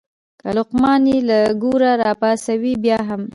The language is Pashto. که لقمان یې له ګوره راپاڅوې بیا هم.